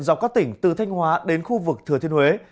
dọc các tỉnh từ thanh hóa đến khu vực thừa thiên huế